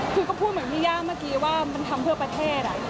คือก็พูดเหมือนพี่ย่าเมื่อกี้ว่ามันทำเพื่อประเทศ